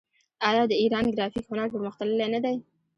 آیا د ایران ګرافیک هنر پرمختللی نه دی؟